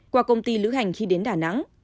qua công ty lữ hành khi đến đà nẵng